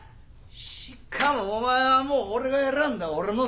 しかもお前はもう俺が選んだ俺の生徒や。